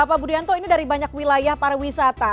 pak budianto ini dari banyak wilayah pariwisata